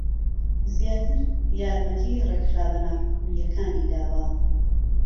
زیاتر یارمەتی ڕێکخراوە ناحوکمییەکانی داوە